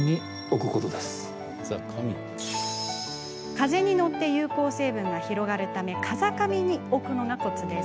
風に乗って有効成分が広がるため風上に置くのがコツです。